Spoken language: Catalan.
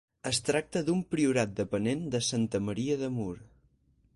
Es tractava d'un priorat depenent de Santa Maria de Mur.